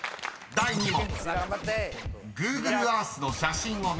［第２問］